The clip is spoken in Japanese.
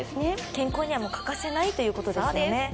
健康には欠かせないということそうです